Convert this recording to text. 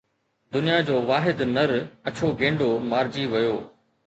دنيا جو واحد نر اڇو گينڊو مارجي ويو